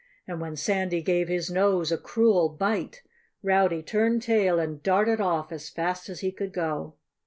And when Sandy gave his nose a cruel bite Rowdy turned tail and darted off as fast as he could go.